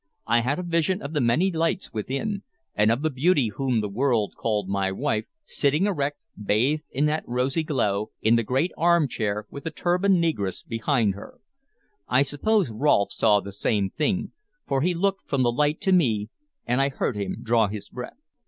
I had a vision of the many lights within, and of the beauty whom the world called my wife, sitting erect, bathed in that rosy glow, in the great armchair, with the turbaned negress behind her. I suppose Rolfe saw the same thing, for he looked from the light to me, and I heard him draw his breath.